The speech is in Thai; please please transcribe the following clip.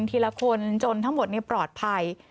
ทีละคนจนทั้งหมดปลอดภัย